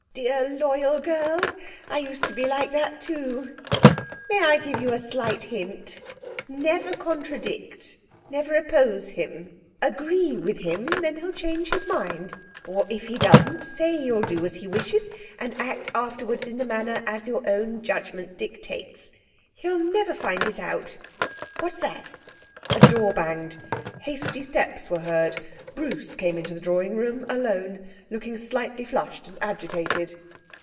'Dear loyal girl! I used to be like that too. May I give you a slight hint? Never contradict. Never oppose him. Agree with him, then he'll change his mind; or if he doesn't, say you'll do as he wishes, and act afterwards in the matter as your own judgement dictates. He'll never find it out. What's that?' A door banged, hasty steps were heard. Bruce came into the drawing room alone, looking slightly flushed and agitated.